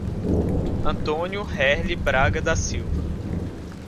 Antônio Herle Braga da Silva